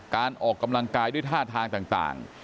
การออกกำลังกายด้วยท่าทางต่าง